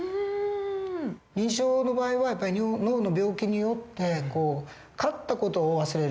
認知症の場合は脳の病気によって買った事を忘れる。